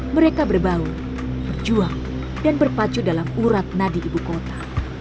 mereka berbau berjuang dan berpacu dalam urat nadi ibu kota